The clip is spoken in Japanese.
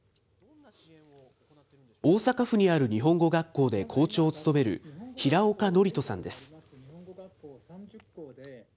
大阪府にある日本語学校で校長を務める、平岡憲人さんです。